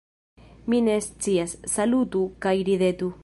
Mi ne scias. Salutu kaj ridetu...